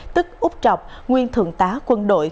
tức úc trọc nguyên thường tá quân đội